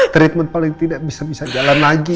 treatment paling tidak bisa bisa jalan lagi